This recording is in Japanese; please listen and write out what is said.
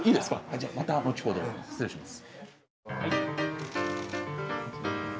じゃあまた後ほど失礼します。